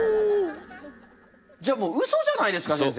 じゃあもうウソじゃないですか先生。